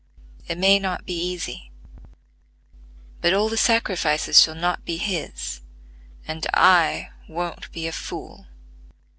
It may not be easy; but all the sacrifices shall not be his, and I won't be a fool."